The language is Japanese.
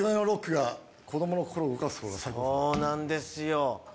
そうなんですよ。